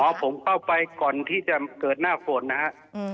พอผมเข้าไปก่อนที่จะเกิดหน้าฝนนะครับ